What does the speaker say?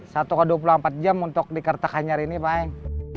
satu ke dua puluh empat jam untuk di kertak hanyar ini pak